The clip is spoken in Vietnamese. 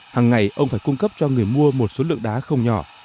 hằng ngày ông phải cung cấp cho người mua một số lượng đá không nhỏ